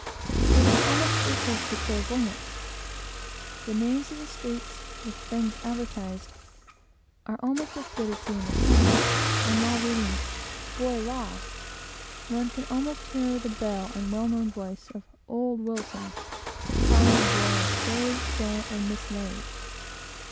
It is almost equal to clairvoyance. The names of the streets, with the things advertised, are almost as good as seeing the signs; and while reading "Boy lost!" one can almost hear the bell and well known voice of "Old Wilson," crying the boy as "strayed, stolen, or mislaid!"